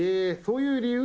そういう理由？